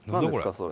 それ」